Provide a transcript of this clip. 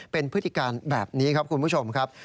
เป็นพฤติการแบบนี้ครับคุณผู้ชมครับ